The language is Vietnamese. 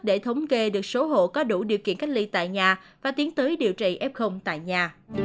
để thống kê được số hộ có đủ điều kiện cách ly tại nhà và tiến tới điều trị f tại nhà